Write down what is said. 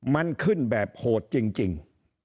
มันขึ้นแบบโหดจริง